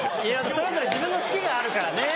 それぞれ自分の好きがあるからね。